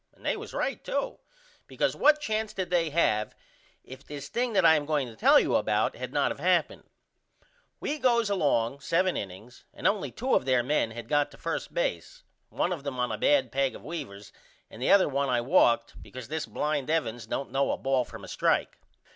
And they was right to because what chance did they have if this thing that I am going to tell you about had not of happened? We goes along seven innings and only 2 of there men had got to 1st base one of them on a bad peg of Weaver's and the other one I walked because this blind Evans don't know a ball from a strike.